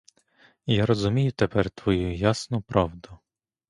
Я розумію тепер твою ясну правду!